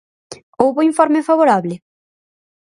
Houbo informe favorable?